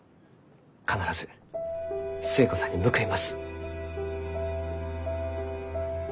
必ず寿恵子さんに報います。